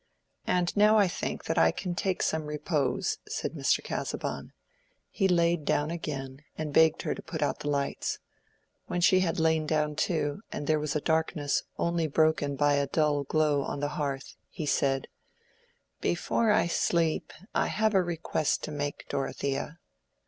"And now I think that I can take some repose," said Mr. Casaubon. He laid down again and begged her to put out the lights. When she had lain down too, and there was a darkness only broken by a dull glow on the hearth, he said— "Before I sleep, I have a request to make, Dorothea."